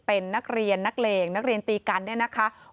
เป็นนักเรียนนักเลงนักเรียนตีกันเนี่ยนะคะ